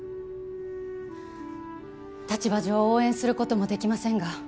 立場上応援することもできませんが